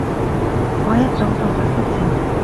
我一早做咗決定